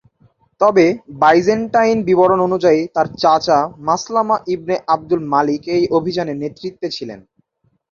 তবে বাইজেন্টাইন বিবরণ অনুযায়ী তার চাচা মাসলামা ইবনে আবদুল মালিক এই অভিযানের নেতৃত্বে ছিলেন।